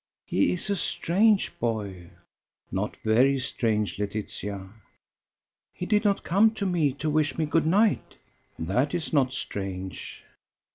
"He is a strange boy." "Not very strange, Laetitia." "He did not come to me to wish me good night." "That is not strange."